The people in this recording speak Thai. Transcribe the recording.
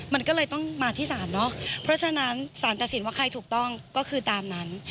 มันก็เลยต้องมาที่ศาลเนอะเพราะฉะนั้นสารตัดสินว่าใครถูกต้องก็คือตามนั้น